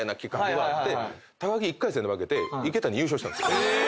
高木１回戦で負けて池谷優勝したんですよ。